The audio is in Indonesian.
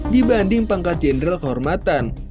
dibanding pangkat jenderal kehormatan